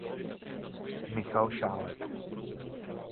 Michal Šálek.